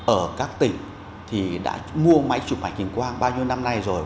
ở các tỉnh thì đã mua máy chụp ảnh hình quang bao nhiêu năm nay rồi